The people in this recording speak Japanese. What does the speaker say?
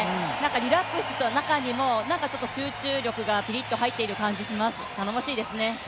リラックスの中にも集中力がピリッと入っている感じがします、頼もしいですね。